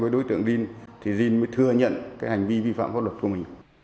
với đối tượng rin thì rin mới thừa nhận hành vi vi phạm pháp luật của mình